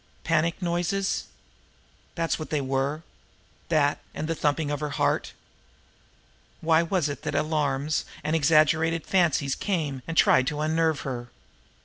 Panic noises! That's what they were! That, and the thumping of her heart! Why was it that alarms and exaggerated fancies came and tried to unnerve her?